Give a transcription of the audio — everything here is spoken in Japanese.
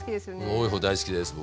多い方大好きです僕。